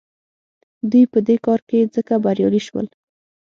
دوی په دې کار کې ځکه بریالي شول.